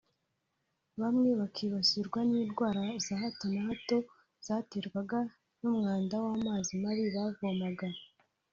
bamwe bakibasirwa n’indwara za hato na hato zaterwaga n’umwanda w’amazi mabi bavomaga